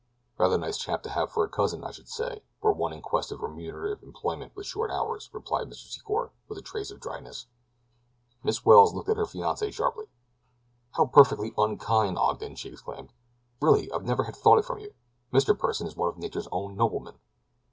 "Rather nice chap to have for a cousin, I should say, were one in quest of remunerative employment with short hours," replied Mr. Secor with a trace of dryness. Miss Welles looked at her fiancée sharply. "How perfectly unkind, Ogden," she exclaimed. "Really, I'd never have thought it of you. Mr. Pursen is one of nature's own noblemen."